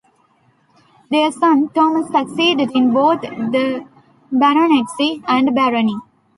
Their son Thomas succeeded in both the baronetcy and barony.